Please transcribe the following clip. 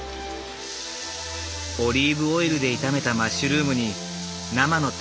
オリーブオイルで炒めたマッシュルームに生のタイムを少々。